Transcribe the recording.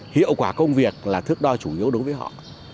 hiệu quả công việc là thước đo chủ yếu đối với họ